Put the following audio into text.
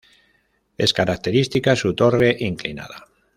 Es característica su torre inclinada.